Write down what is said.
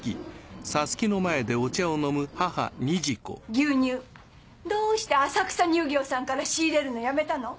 牛乳どうして浅草乳業さんから仕入れるのやめたの？